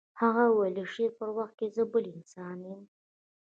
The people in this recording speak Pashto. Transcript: هغه وویل د شعر پر وخت زه بل انسان یم